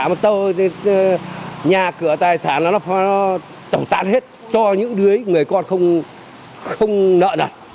một tàu nhà cửa tài sản nó tổng tạn hết cho những đứa người con không nợ đặt